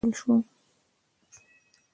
د مریتوب پر ځای مشروع تجارت وکارول شو.